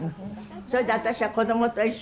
それで私はこどもと一緒にね